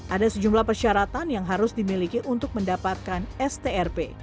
ada sejumlah persyaratan yang harus dimiliki untuk mendapatkan strp